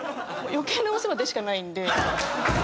余計なお世話でしかないんで。